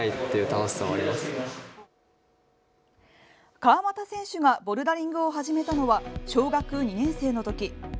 川又選手がボルダリングを始めたのは小学２年生のとき。